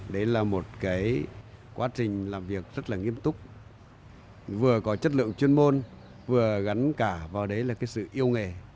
đấy là một quá trình làm việc rất nghiêm túc vừa có chất lượng chuyên môn vừa gắn cả vào đấy là sự yêu nghề